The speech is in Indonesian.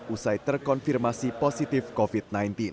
usai terkonfirmasi positif covid sembilan belas